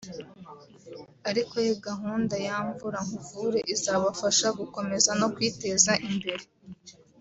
ariko gahunda ya Mvura nkuvure izabafasha gukomera no kwiteza imbere